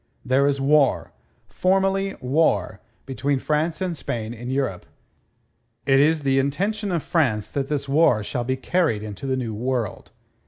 There is war formally war between France and Spain in Europe. It is the intention of France that this war shall be carried into the New World.